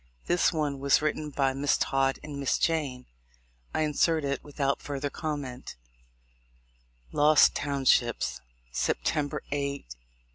This one was written by Miss Todd and Miss Jayne. I insert it without further comment : Lost Townships, September 8, 1842.